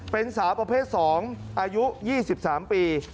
เป็นสาวประเภท๒อายุ๒๓ปี